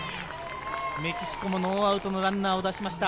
メキシコもノーアウトのランナーを出しました。